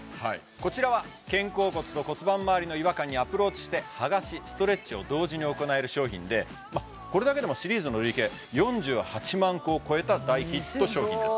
こちらは肩甲骨と骨盤周りの違和感にアプローチしてはがしストレッチを同時に行える商品でこれだけでもシリーズの累計４８万個を超えた大ヒット商品です